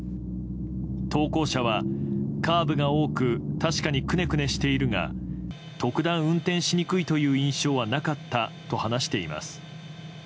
投稿者はカーブが多く確かにくねくねしているが特段、運転しにくいという印象はなかったと話しています。